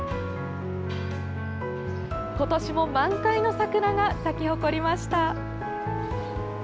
今年も満開の桜が咲き誇りました。